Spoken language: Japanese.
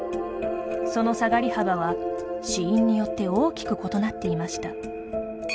その下がり幅は死因によって大きく異なっていました。